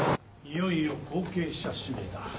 いよいよ後継者指名だ。